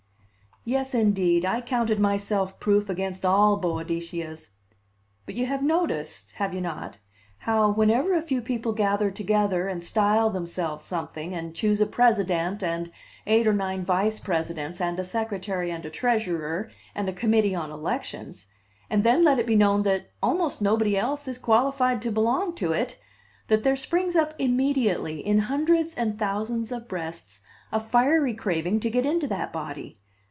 Yes, indeed, I counted myself proof against all Boadiceas. But you have noticed have you not? how, whenever a few people gather together and style themselves something, and choose a president, and eight or nine vice presidents, and a secretary and a treasurer, and a committee on elections, and then let it be known that almost nobody else is qualified to belong to it, that there springs up immediately in hundreds and thousands of breasts a fiery craving to get into that body?